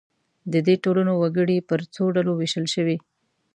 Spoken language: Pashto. د دې ټولنو وګړي پر څو ډلو وېشل شوي.